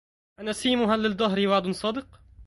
أنسيم هل للدهر وعد صادق